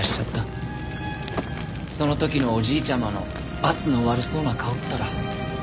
その時のおじいちゃまのばつの悪そうな顔ったら。